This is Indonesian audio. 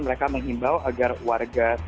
mereka mengimbau agar warga